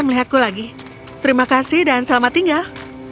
lihat aku lagi terima kasih dan selamat tinggal